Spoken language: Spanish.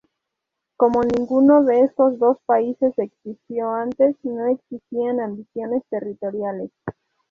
Como ninguno de estos dos países existió antes, no existían ambiciones territoriales.